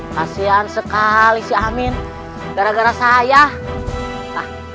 pasihan sekali si amin gara gara saya ah